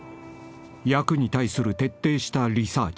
［役に対する徹底したリサーチ］